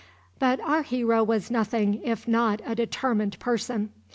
But our hero was nothing if not a determined person.